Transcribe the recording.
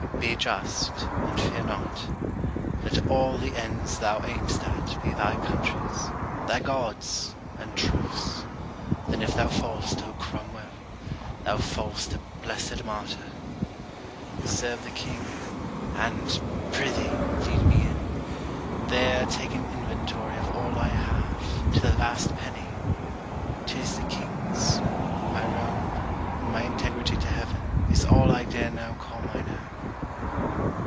Be just, and fear not: Let all the ends thou aim'st at be thy country's, Thy God's, and truth's; then if thou fall'st, O Cromwell! Thou fall'st a blessed martyr. Serve the king; and pr'ythee, lead me in: There take an inventory of all I have, To the last penny; 'tis the king's: my robe, And my integrity to heaven, is all I dare now call mine own.